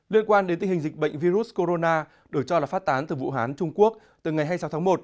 liên quan đến tình hình dịch bệnh virus corona được cho là phát tán từ vũ hán trung quốc từ ngày hai mươi sáu tháng một